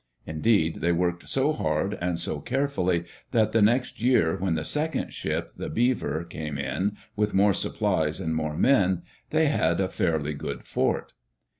Indeed, they worked so hard and so carefully that the next year when the second ship, the Beaver, came in, with more supplies and more men, they had a fairly good fort.